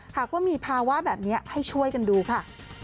หากว่ามีภาวะแบบนี้ให้ช่วยกันดูค่ะ